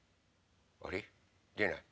あれ？でない。